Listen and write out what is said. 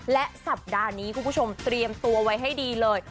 และสัปดาห์นี้คุณผู้ชมเตรียมตัวไว้ให้ดีเลย